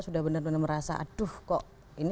sudah benar benar merasa aduh kok ini